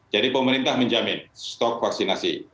jadi pemerintah menjamin stok vaksinasi